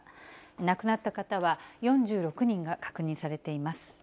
亡くなった方は４６人が確認されています。